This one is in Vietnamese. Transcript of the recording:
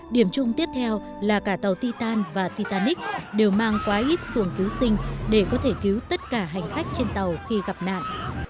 điểm chung tiếp theo là cả tàu titan và titanic đều mang quá ít xuồng cứu sinh để có thể cứu tất cả hành khách trên tàu khi gặp nạn